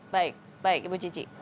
baik baik bu cici